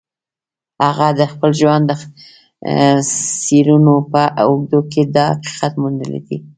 هغه د خپل ژوند د څېړنو په اوږدو کې دا حقیقت موندلی دی